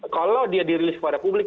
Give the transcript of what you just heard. kalau dia dirilis kepada publik